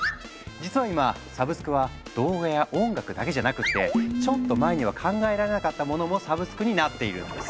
実は今サブスクは動画や音楽だけじゃなくってちょっと前には考えられなかったものもサブスクになっているんです。